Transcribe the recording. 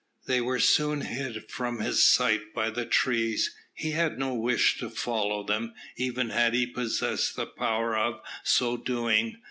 They were soon hid from his sight by the trees. He had no wish to follow them, even had he possessed the power of so doing.